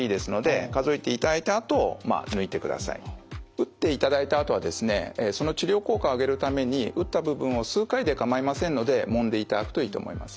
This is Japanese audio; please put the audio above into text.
打っていただいたあとはですねその治療効果を上げるために打った部分を数回で構いませんのでもんでいただくといいと思います。